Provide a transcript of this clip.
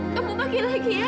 kamu pakai lagi ya